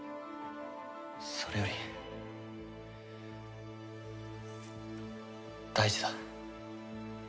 それより大二だ。